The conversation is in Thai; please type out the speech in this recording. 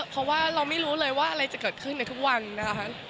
เพราะว่าเราไม่รู้เลยว่าอะไรจะเกิดขึ้นในทุกวันนะคะ